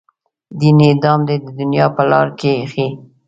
دین یې دام دی د دنیا په لار کې ایښی.